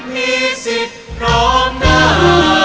มีสิทธิ์พร้อมนั้น